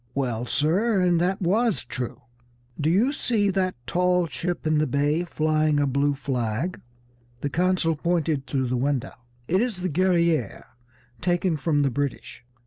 "Well, sir, and that was true. Do you see that tall ship in the bay flying a blue flag?" The consul pointed through the window. "It is the Guerrière, taken from the British.